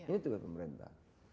ini tugas pemerintah